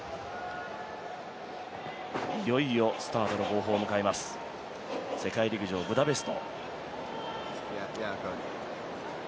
いよいよスタートの号砲を迎えます、世界陸上ブダペスト。